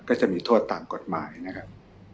ก็จะมีโทษตามกฎหมายนะครับ